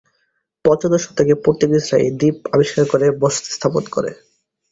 পঞ্চদশ শতকে পর্তুগিজরা এই দ্বীপ আবিষ্কার করে বসতি স্থাপন করে।